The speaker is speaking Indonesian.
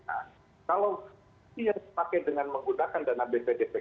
kalau ini yang dipakai dengan menggunakan dana bpjpks